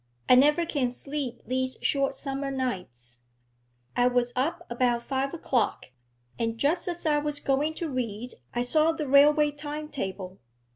I never can sleep these short summer nights. I was up about five o'clock, and just as I was going to read I saw the railway time table.